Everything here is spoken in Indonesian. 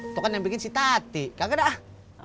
tuh kan yang bikin si tati kagak dah